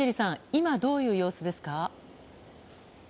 今、どういう様子ですか？